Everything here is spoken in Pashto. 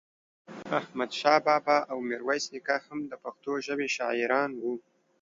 احمد شاه بابا او ميرويس نيکه هم دا پښتو ژبې شاعران وو